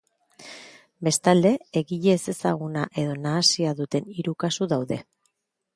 Bestalde, egile ezezaguna edo nahasia duten hiru kasu daude.